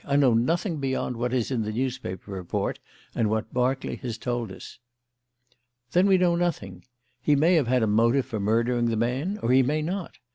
"I know nothing beyond what is in the newspaper report and what Berkeley has told us." "Then we know nothing. He may have had a motive for murdering the man or he may not.